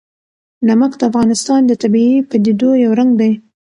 نمک د افغانستان د طبیعي پدیدو یو رنګ دی.